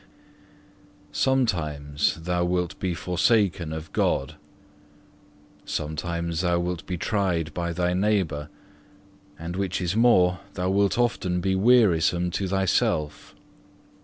4. Sometimes thou wilt be forsaken of God, sometimes thou wilt be tried by thy neighbour, and which is more, thou wilt often be wearisome to thyself.